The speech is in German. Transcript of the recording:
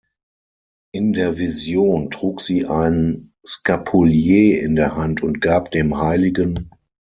In der Vision trug sie ein Skapulier in der Hand und gab dem hl.